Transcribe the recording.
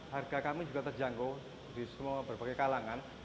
harga kami juga terjangkau di semua berbagai kalangan